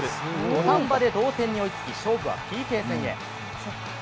土壇場で同点に追いつき、勝負はＰＫ戦へ。